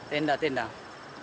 terutama tenda pak